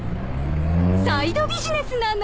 サイドビジネスなの。